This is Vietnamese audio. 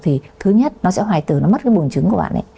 thì thứ nhất nó sẽ hoại tử nó mất cái buồng trứng của bạn ấy